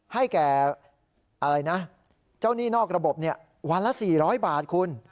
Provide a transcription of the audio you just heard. ให้แก่อะไรนะเจ้าหนี้นอกระบบวันละ๔๐๐บาทคุณ